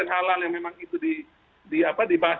halal yang memang itu dibahas